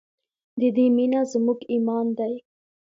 د دې مینه زموږ ایمان دی